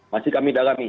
masih kami dalami